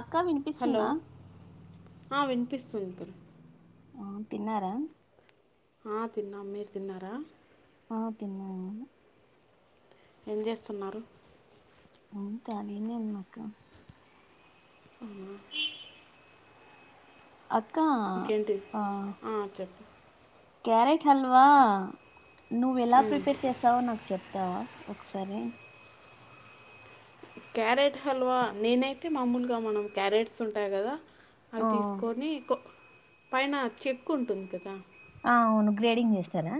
అక్క హలో వినిపిస్తుందా ఆ వినిపిస్తు ఇప్పుడు ఆ తిన్నారా ఆ తిన్నాం మీర్ తిన్నారా ఆ తిన్నాం ఏం చేస్తున్నారు ఉమ్ కాలినే ఉన్నా అక్క అక్కా ఇంకేంటి ఆ క్యారెట్ హల్వా నువ్వు ఎలా ప్రిపేర్ చేసావో నాకు చెప్ తావ ఒకసారి క్యారెట్ హల్వా నేనైతే మామూలుగా మనం క్యారెట్స్ ఉంటాయి కదా అవి ఆ తీసుకొని కో పైన చెక్ ఉంటుంది కదా ఆ అవును గ్రేడింగ్ చేస్తదా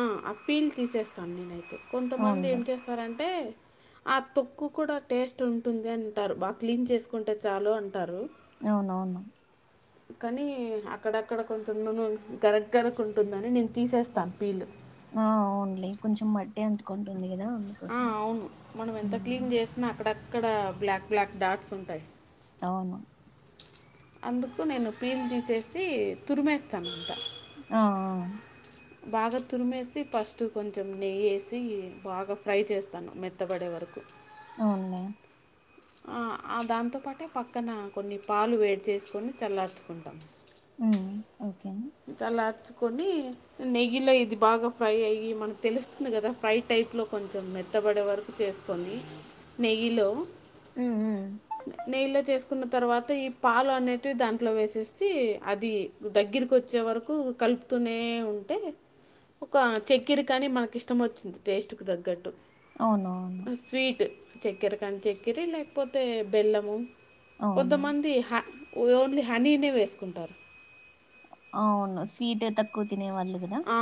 ఆ ఆ పీల్ తీసేస్తాను నేనైతే కొంతమంది అవునులే ఏం చేస్తారంటే ఆ తొక్కు కూడా టేస్ట్ ఉంటుంది అంటారు, బాగా క్లీన్ చేసుకుంటే చాలు అంటారు. అవునవున్ కానీ అక్కడక్కడ కొంచెం నునున్ గరం గరక్ ఉంటుందని నేను తీసేస్తా పీలు ఆ ఆవున్లే కొంచం మట్టి అంటుకుంటుందిగా ఆ అవును మనం ఎంత క్లీన్ చేసినా అక్కడక్కడ బ్లాక్, బ్లాక్ డాట్స్ ఉంటాయి. అవును అందుకు నేను పీలు తీసేసి తురిమేస్తానఅంతా ఆ ఆ బాగా తురిమేసి ఫస్ట్ కొంచం నెయ్యేసి బాగా ఫ్రై చేస్తాను మెత్తబడే వరకు అవునులే ఆ ఆ దాంతోపాటే పక్కన కొన్ని పాలు వేడి చేసుకొని చల్లార్చుకుంటా ఉమ్ ఒకె చలారుచుకొని నెయ్యిలో ఇది బాగా ఫ్రై అయ్యి మనకి తెలుస్తుంది కదా ఫ్రై టై ప్ లో కొంచం మెత్తబడే వరకు చేసుకొని నెయ్యిలో ఉమ్ ఉమ్ నెయ్యి లో చేస్ కున్న తర్వాత ఈ పాలు అనేటీవి దాంట్లో వేసేసి అది దగ్గరికి వచ్ వచ్చే వరకు కలుపుతూనే ఉంటే ఒక చక్కెర కానీ మాకి ఇష్టం వచ్చింది టేస్ట్ కు తగ్గట్టు అవునుఅవును చెక్కరకాని చెక్కరి లేకపోతే బెల్లము అవును కొంతమంది హ ఓన్లీ హనీనే వేసుకుంటారు అవును స్వీట్ తక్కువ తినే వాళ్ళు కదా ఆ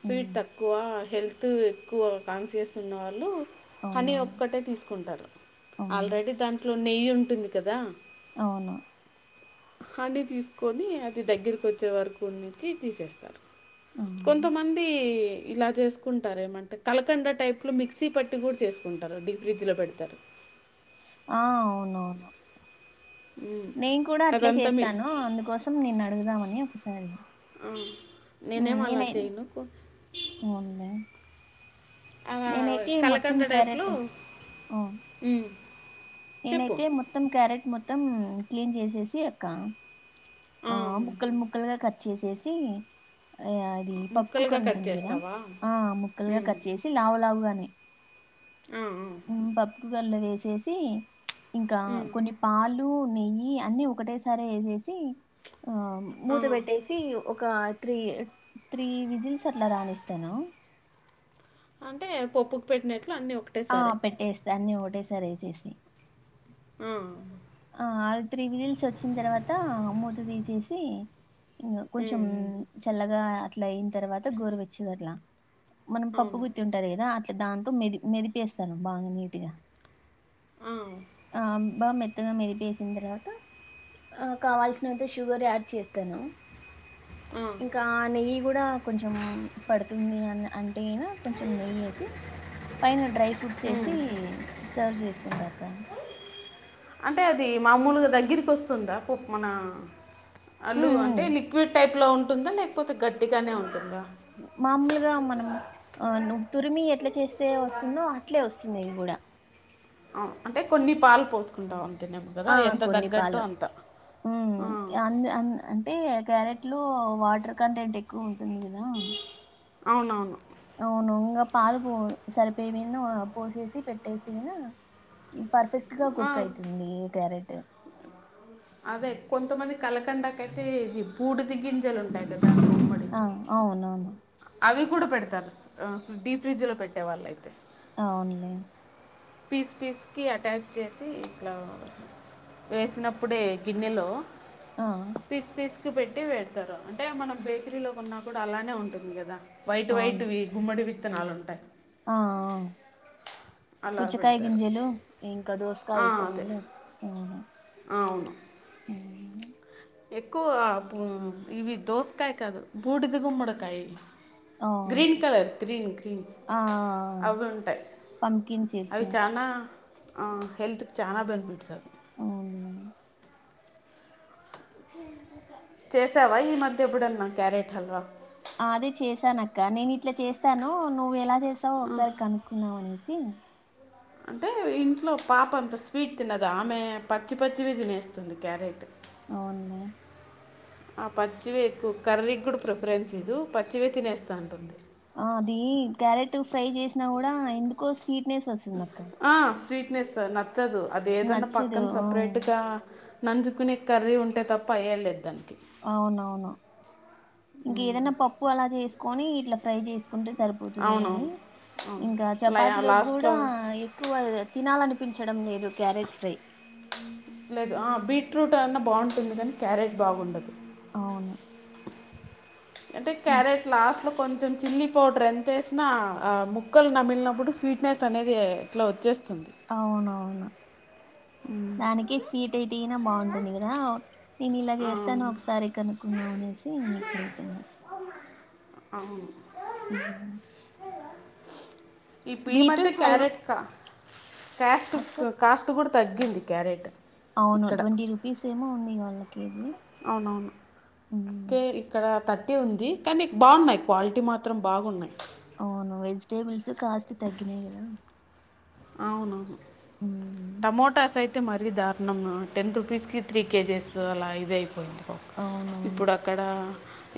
స్వీట్ ఉమ్ తక్కువ హెల్త్ ఎక్కువ కాన్షియస్ ఉన్నవాళ్ళు హానీ అవునవును ఒక్కటే తీసుకుంటారు అవును ఆల్రెడీ దాంట్లో నెయ్యి ఉంటుంది కదా అవును హానీ తీసుకొని అది దగ్గరకు వచ్చే వరకు ఉన్నిచి తీసేస్తారు అవును కొంతమంది ఇలా చేసుకుంటారు ఏమంటే కలకండ టైప్ లో మిక్సీ పట్టి కూడా చేసుకుంటారు డి ఫ్రిడ్జ్ లో పెడతారు ఆ అవును అవును మ్మ్. నేను కూడా అట్లే అదంతా మీ చేస్తాను అందుకోసం నిన్ను అడుగుదామని ఒకసారి ఆ ఉమ్, నేనేమ అలా నేనై చేయను అవునులే అలా నేనైతే మొత్తం కలకండ టైప్లో క్యారెట్ ఎస్ ఆ మ్మ్. చెప్పు నేనైతే మొత్తం క్యారెట్ మొత్తం క్లీన్ చేసేసి అక్క ఆ ముక్కలు ముక్కలుగా ఖర్చేసేసి అది పప్పు ముక్కలుగా కుక్కర్ కట్ ఉంటుంది కదా చేస్తావా ఆ ముక్కలుగా మ్మ్. కట్ చేసి లావు లావుగానే ఆ ఆ కుక్కర్లో వేసేసి ఇంకా కొన్ని పాలు లు నెయ్యి అన్ని ఒకటే సారి ఏసేసి ఆ ఆ, మూత పెట్టేసి ఒక త్రీ త్రీ విజిల్స్ అట్లా రాణిస్తాను అంటే పప్పుకు పెట్టినట్టు ఆ పెట్టేస్త అన్ని ఒకటేసరే ఏసేసి ఆ, ఆ అ త్రీ విజిల్స్ వచ్చిన తర్వాత అమూత తీసేసి ఇంకా కొంచెం మ్మ్, మ్మ్. చల్లగా అట్లా అయిన తర్వాత గోరువెచ్చిగ అట్లా మనం పప్పు అవును గుత్తి ఉంటాది కదా అట్లా దాంతో మెది మెదిపేస్తాను బాగా నీట్గా అ ఆ బాగా మెత్తగా మెదిపేసిన తర్వాత ఆ కావాల్సినంత షుగర్ యాడ్ చేస్తాను ఇంకా నెయ్యి కూడా కొంచెం పడుతుంది అన్న అంటే గిన కొంచెం నెయ్యేసి పైన డ్రై ఫ్రూట్స్ ఏసి సర్వ్ చేసుకుంటాక్క అంటే అది మామూలుగా దగ్గరికి వస్తుందా పోప్ప్ మన అలు ఉమ్ అంటే ఉమ్ లిక్విడ్ టైప్ లో ఉంటుందా లేకపోతే గట్టిగానే ఉంటుందా మామూలుగా మనం ఆ ను్వు తురిమి ఎట్లా చేస్తే వస్తుందో అట్లే వస్తు ది ఇది కూడా ఆ అంటే కొన్ని పాలు పోసుకుంటావ న్ ఆ కొన్ని పాలు హ్మ్ ఆ, ఆన్ ఆన్ అంటే క్యారెట్ వాటర్ కంటెంట్ ఎక్కువ ఉంటుంది గదా అవునవును అవును ఉంగ పాలు పో సరిపోయ వైన్ పోసేసి పెట్టేసైన పర్ఫెక్ట్ గా ఆ, కుక్ అయితుంది క్యారెట్ కళకండాకైతే ఇ బూడిద గింజలు ఉంటాయి గదా ఆ అవునవును అవి కూడా పెడతారు డీప్ ఫ్రిడ్జ్లో పెట్టే వాళ్ళు అయితే అవునులే పీస్ పీస్కి అటాచ్ చేసి ఇట్లా వేసినప్పుడే గిన్నెలో ఆ పీస్ పీస్ కి పెట్టి వెడతారు అంటే మనం బేకరీలో గొన్నా గూడా అలానే ఉంటుంది గదా వైట్ అవును వైట్వి గుమ్మడి విత్తనాలు ఉంటాయి ఆ ఆ అలా పుచ్చకాయ పెడతారు గింజలు ఇంక ఆ, దోసకాయ అదే ఇతన్నాలు అవును ఆ ఎక్కువ ఇవి దోసకాయ కాదు బూడిద గుమ్మడికాయ ఆ గ్రీన్ కలర్ గ్రీన్ గ్రీన్ ఆ అవుంటాయి పంకిన్ సీడ్స్ అవి చానా ఆ హెల్త్కి చానా బెనిఫిట్స్ అవును మేడం. చేసావా ఈ మధ్య ఎబుడన్నా క్యారెట్ హల్వా అదే చేశానక్క నేను ఇట్లా చేస్తాను నువ్వు ఎలా చేసావో ఒకసారి కనుక్కుందామనేసి సి అంటే ఇంట్లో పాప అంత స్వీట్ తినదు ఆమె పచ్చి పచ్చివి తినేస్తుంది క్యారెట్ అవున్లే ఆ పచ్చివే ఎక్కువ కర్రీకి గూడ ప్రిఫరెన్స్ ఈదు పచ్చివే తినేస్తాంటుంది ఆ అది క్యారెట్ ఫ్రై చేసినా గుడా ఎందుకో స్వీట్నెస్ వస్తుందక్క ఆ, నచ్చదు అది ఏదన్నా పక్కన ఆ, సపరేట్గా నంజుకునే కర్రీ ఉంటే తప్ప అయ్యలేద్దాన్ని అవునవును ఇంక ఏదనా పప్పు అలా చేసుకోని ఇట్ల ఫ్రై చేసి కుంటే సరిపోతుంది గాని అవునవును అవును ఇంకా లా- చపాతిలోక్ లాస్ట్లో గూడా ఎక్కువ తినాలనిపించడం లేదు క్యారెట్ ఫ్రై లేదు ఆ బీట్రూట్ అన్న బాగుంటుంది గానీ క్యారెట్ బాగుండదు అవును అంటే ఉమ్, క్యారెట్ లాస్ట్ లో కొంచెం చిల్లీ పౌడర్ ఎంత ఏసినా ముక్కలు నమ్మిలినప్పుడు స్వీట్నెస్ అనేది ఎట్లా వచ్చేస్తుంది అవునవును దానికే స్వీట్ అయితేన బాగుంటుంది గదా నేను ఇలా చేస్తాను ఆ, ఒకసారి కనుక్కుందాం అనేసి నీకు అడుగుతున్నా అవును ఉహూ ఈ మధ్య హల్వా క్యారెట్ క క్యాస్ట్ అక్క కాస్ట్ గూడ తగ్గింది క్యారెట్ అవును ఇక్కడ ట్వంటీ రుపీస్ ఏమో ఉంది ఇవాళ అవునవును ఉమ్, కేర్ ఇక్కడ ఉంది కానీ బాన్నాయి క్వాలిటీ మాత్రం బాగున్నాయి అవును వెజిటేబుల్స్ కాస్ట్ తగ్గినయ్ గదా అవును టమోటాస్ మరీ దారుణం టెన్ రూపీస్కి త్రీ కేజెస్ అలా ఇదియిపోయింది అవునవును ఇప్పుడక్కడ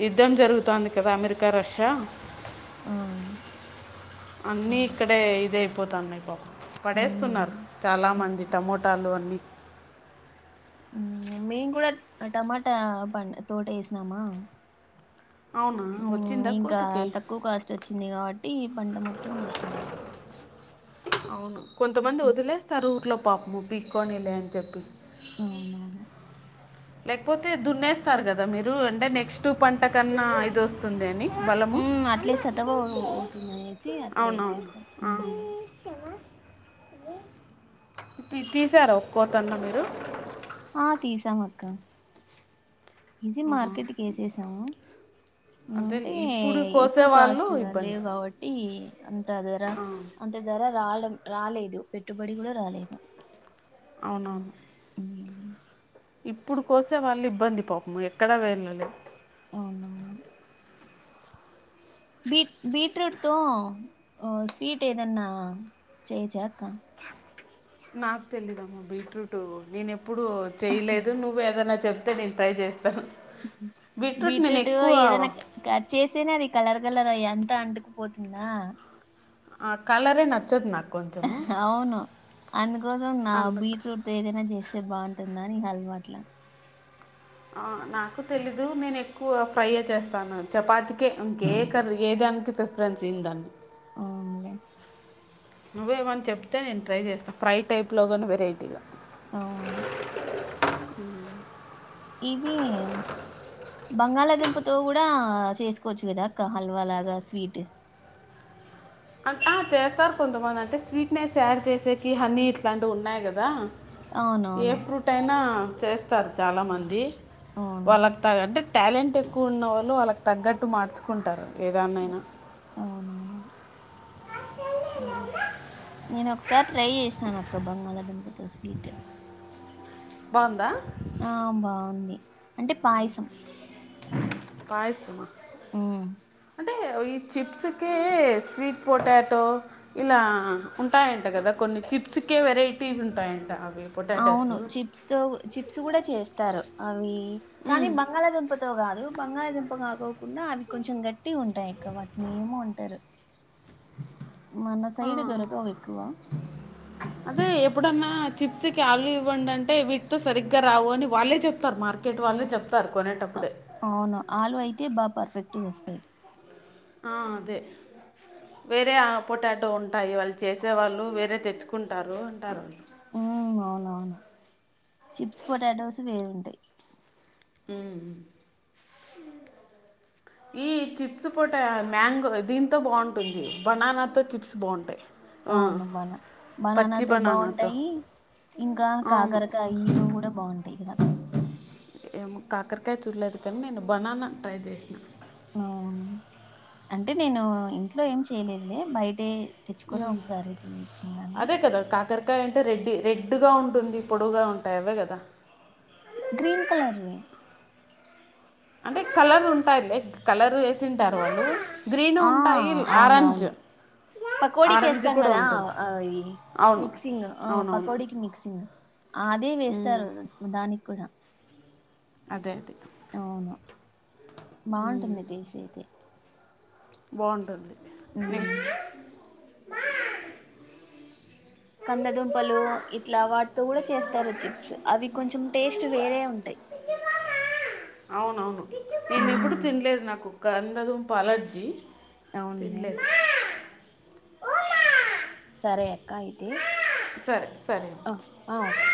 యుద్ధం జరుగుతాంది కదా అమెరికా రష్యా ఆ అన్నీ అవును ఇక్కడే ఇద అయిపోతాన్నాయి పాపం ఉమ్, పడేస్తున్నారు చాలా మంది అవును టమోటాలు అన్ని మేమ్ కూడా టమాటా ప తోట వేసినమా అవునా వచ్చిందా ఇంకా కోతకి తక్కువ కాస్ట్ వచ్చింది కాబట్టి పంట మొత్తం నష్టం అయిపోయింది అవును కొంతమంది వదిలేస్తారు ఊర్లో పాపము పీక్కోని లే అని చెప్పి అవునవును లేకపోతే దున్నేస్తారు కదా మీరు అంటే నెక్స్ట్ పంట కన్నా ఇది వస్తుంది అని బలము ఉ అట్లే సతవ పోవుతుందనేసి అవునవును అట్లేసేస్తాం ఆ. ఇ తీసారా ఒక్కోతన్న మీరు ఆ తీసాం అక్క తీసి ఆహా. మార్కెట్కి వేసేసాము అదే ఏమంటే ఇప్పుడు కోసే ఎక్కువ వాళ్ళు కాస్ట్గా ఇబ్బంది లేవు కాబట్టి అంతా ధర ఆ, అంత ధర రావడం రాలేదు పెట్టుబడి కూడా రాలేదు అవునవును ఉమ్, ఇప్పుడు కోసే వాళ్ళు ఇబ్బంది పోపము ఎక్కడ వెళ్ళాలి అవునవును బీట్ బీట్రూట్ తో స్వీట్ ఏదన్నా చేయొచ్చా అక్క నాకు తెలిదమ్మా బీట్రూట్ నేనె ఎప్పుడుూ చెయలేదు నువ్వు ఏదైనా చెప్తే నేను ట్రై చేస్తాను నేను బీట్రూట్ ఎక్కువ ఏదనా చేసేనే అది కలర్ కలర్ అయ్ అంత అంటుకుపోతు నా ఆ కలరే నచ్చదు నాకు కొంచెము అవును అందుకోసం నా అందుకు బీట్రూట్ ఏదైనా చేస్తే బాగుంటుంద ని హల్వా వాట్లా ఆ నాకు తెలీదు నేను ఎక్కువ ఫ్రై ఏయ్ చేస్తాను చపాతికే ఇంకే కర్రీ ఏద నికి ప్రిఫరెన్స్ ఈందాన్ని అవున్లే నువవోమని చెప్తే నేను ట్రై చేస్తాను ఫ్రై టైప్లో కానీ వెరైటీగా అవును ఉమ్ ఇది బంగాళాదుంపుతో కూడా చేసుకోవచ్చు కదా అక్క హల్వా లాగా స్వీట్ అట్లా చేస్తారు కొంతమంది అంటే స్వీట్నెస్ యాడ్ చేసేకి హనీ ఇట్లాంటివి ఉన్నాయి కదా ఏ అవునవును ఫ్రూట్ అయినా చేస్తారు చాలా మంది అవును వాళ్ళకి తగంటే ట్యాలెంట్ ఎక్కువ ఉన్న వాళ్ళు వాళ్ళకి తగ్గట్టు మార్చుకుంటారు ఏదానైనా అవునవును ఉ నేను ఒకసారి ట్రై చేసినాను అక్క బంగాళాదుంపతో స్వీట్ బాగుందా ఆ బాగుంది అంటే పాయసం పాయసమా ఉమ్ అంటే ఈ చిప్స్ కె స్వీట్ పొటాటో ఇలా ఉంటాయంట కదా కొ కొన్ని చిప్స్కే వెరైటీ లుంటాయంట అవును చిప్స్ తో చిప్స్ కూడా చేస్తారు అవి కానీ బంగాళాదుంపతో కాదు బంగాళాదుంప కాకోకుండా అవి కొంచెం గట్టి ట్టిగ ఉంటాయి అక్క వాటిని ఏమో ఉంటారు మన సైడ్ దొరకవు ఎక్కువ అదే ఎప్పుడన్నా చిప్ కాలుఇవ్వండింటే వీటితో సరిగ్గా రావు అని వాళ్ళే చెప్తారు మార్కెట్ వాళ్ళే చెప్తారు అ- కొనేటప్పుడే అవును ఆలు అయితే బాగా పర్ఫెక్ట్గా వస్తాయి ఉంటే వేరే పొటాటో ఉంటాయి వాళ్ళు చేసేవాళ్ళు వేరే తెచ్చుకుంటారు అంటారు ఉ అవునవును చిప్స్ పొటాటోస్ వేరుంటాయి ఉ ఈ చిప్స్ పూట మ్యాంగో దీంతో బాగుంటుంది బనానాతో చిప్స్ బాగుంటాయి ఆ, అవును బనా పచ్చి బనానాతో బనానాతో బాగుంటాయి ఇంకా అవును కాకరకాయ కూడా బాగుంటాయి ఏమో కాకరకాయ చూడలేదు కానీ నేను బనానా ట్రై చేసినా అవును అంటే నేను ఇంట్లో ఏం చేయలేదు బయట తెచ్చుకొని ఒకసారి చూతున్నాను ఇంకా అంటే రెడ్డి రెడ్గా ఉంటుంది పొడువుగా ఉంటాయవే కదా గ్రీన్ కలర్ అంటే కలర్ ఉంటాయి లే కలర్ వేసింటాయి గ్రీన్ ఉంటాయి ఆరెంజ్ పకోడకి ఆరెంజ్ వేస్తాం కూడా కదా ఉంటుంది ఆ ఈ అవును మిక్సింగ్ ఆ అవునవును పకోడకి మిక్సింగ్ అదే మ్మ్. వేస్తారు దానికి కూడా అదే అదే అవును బాగుంటుంది టేస్ట్ అయితే బాగుంటుంది మీ ఉమ్ కందదుంపలు ఇట్లా వాటితో కూడా చేస్తారు చిప్స్ అవి కొంచెం టేస్ట్ వేరే ఉంటాయి అవునవును నేను ఎప్పుడు ఉమ్ తినలేదు నాకు గందదుంప అలర్జి అవునులే తినలేదు సరే అక్క అయితే సరే సరే ఆ ఆ ఓకే